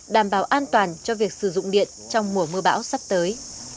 đảm bảo an toàn cho việc sử dụng điện trong mùa mưa bão sắp tới